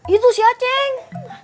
itu si acing